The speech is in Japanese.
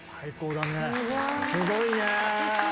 すごいね。